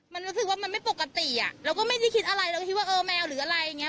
มันรู้สึกว่ามันไม่ปกติอ่ะเราก็ไม่ได้คิดอะไรเราก็คิดว่าเออแมวหรืออะไรอย่างนี้